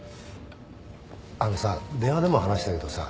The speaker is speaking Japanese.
あのさ電話でも話したけどさ